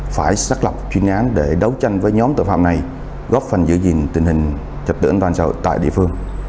phải xác lập chuyên án để đấu tranh với nhóm tội phạm này góp phần giữ gìn tình hình chập tưởng toàn sở tại địa phương